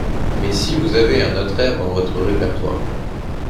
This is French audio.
Mais si vous avez un autre air dans votre répertoire !